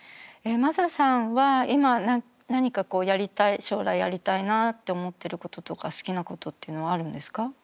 ｍａｓａさんは今何かやりたい将来やりたいなって思ってることとか好きなことっていうのはあるんですか？